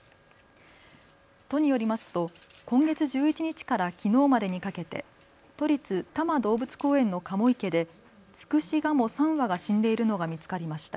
都によりますと今月１１日からきのうまでにかけて都立多摩動物公園のカモ池でツクシガモ３羽が死んでいるのが見つかりました。